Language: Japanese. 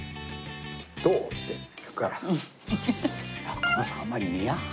「どう？」って聞くから。